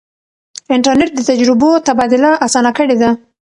انټرنیټ د تجربو تبادله اسانه کړې ده.